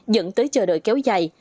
dẫn tới chờ đợi kéo dài